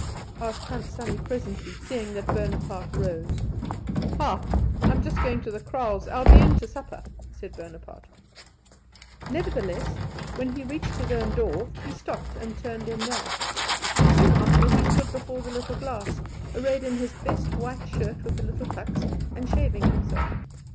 asked Tant Sannie presently, seeing that Bonaparte rose. "Ha! I'm just going to the kraals; I'll be in to supper," said Bonaparte. Nevertheless, when he reached his own door he stopped and turned in there. Soon after he stood before the little glass, arrayed in his best white shirt with the little tucks, and shaving himself.